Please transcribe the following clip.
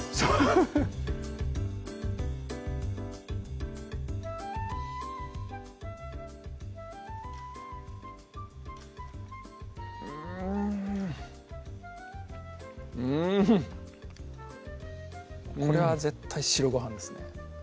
フフフッうんうんこれは絶対白ごはんですね